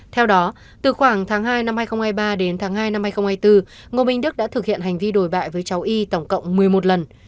theo đó từ khoảng tháng hai năm hai nghìn hai mươi ba đến tháng hai năm hai nghìn hai mươi bốn ngô minh đức đã thực hiện hành vi đổi bại với cháu y tổng cộng một mươi một lần